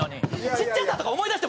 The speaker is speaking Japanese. ちっちゃさとか思い出して！